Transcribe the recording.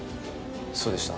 そうでした？